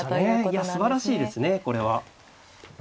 いやすばらしいですねこれは。